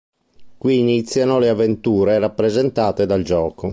Qui iniziano le avventure rappresentate dal gioco.